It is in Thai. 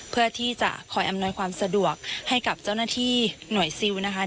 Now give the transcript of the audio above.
เพื่อที่จะคอยอำนวยความสะดวกให้กับเจ้าหน้าที่หน่วยซิลนะคะ